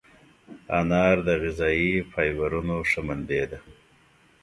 انار د غذایي فایبرونو ښه منبع ده.